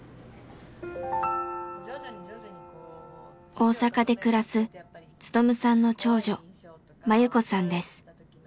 大阪で暮らす勉さんの長女真由子さんです。